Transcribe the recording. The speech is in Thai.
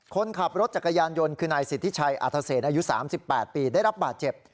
คนขับรถจักรยานยนต์คือนายสิทธิชัยอาทเศษอายุ๓๘ปีได้รับบาดเจ็บ